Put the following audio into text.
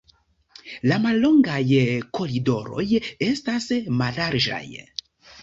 La mallongaj koridoroj estas mallarĝaj.